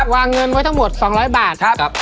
วางเงินไว้ทั้งหมด๒๐๐บาทครับ